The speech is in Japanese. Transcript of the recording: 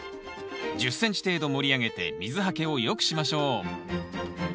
１０ｃｍ程度盛り上げて水はけをよくしましょう。